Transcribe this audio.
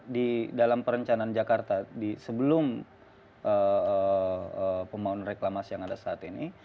di dalam perencanaan jakarta sebelum pembangunan reklamasi yang ada saat ini